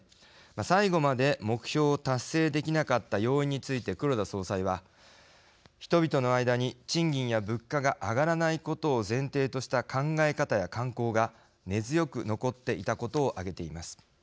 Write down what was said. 最後まで目標を達成できなかった要因について黒田総裁は人々の間に賃金や物価が上がらないことを前提とした考え方や慣行が根強く残っていたことを挙げています。